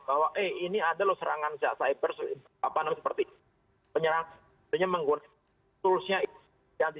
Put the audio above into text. bahwa eh ini ada lho serangan cyber seperti penyerangannya menggunakan toolsnya ini